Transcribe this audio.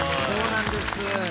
そうなんです。